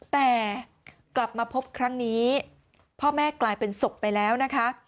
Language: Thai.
แต่กลับมาพบครั้งนี้พ่อแม่กลายเป็นศพไปแล้วนะคะ